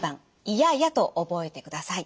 「いやや」と覚えてください。